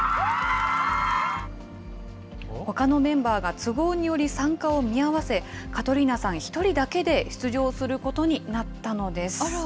ほかのメンバーが都合により参加を見合わせ、カトリーナさん１人だけで出場することになったのです。